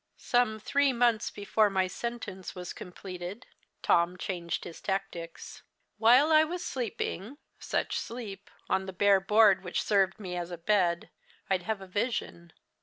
"Some three months before my sentence was completed, Tom changed his tactics. While I was sleeping such sleep! on the bare board which served me as a bed, I'd have a vision.